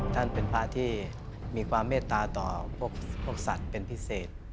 ท่านเป็นพระที่มีความเมตตาต่อพวกสัตว์เป็นพิเศษ